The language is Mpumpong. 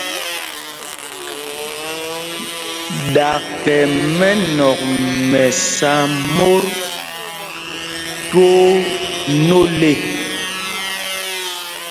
Ɗakɛ mɛnɔ̂k mɛ sá mot twóó nôl ê.